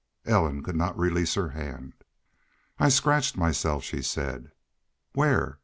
Ellen could not release her hand. "I scratched myself," she said. "Where?...